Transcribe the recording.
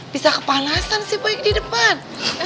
bisa kepanasan sih baik di depan